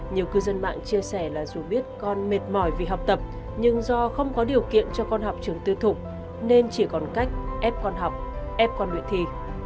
nhiều cư dân mạng chia sẻ là dù biết con mệt mỏi vì học tập nhưng do không có điều kiện cho con học trường tư thục nên chỉ còn cách ép con học ép con luyện thi